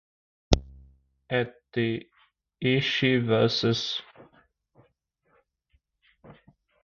At the Ishii vs.